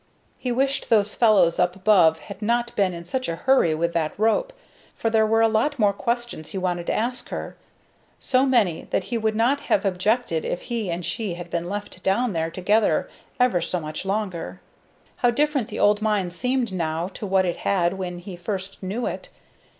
He wished those fellows up above had not been in such a hurry with that rope, for there were a lot more questions he wanted to ask her. So many that he would not have objected if he and she had been left down there together ever so much longer. How different the old mine seemed now to what it had when he first knew it!